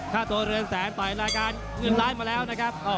ค่าโตเรือนแสนต่อยรายการนึ่งลายมาแล้วนะครับ